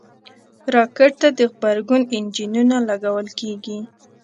راکټ ته د غبرګون انجنونه لګول کېږي